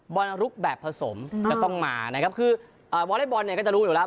ลุกแบบผสมจะต้องมานะครับคือวอเล็กบอลเนี่ยก็จะรู้อยู่แล้ว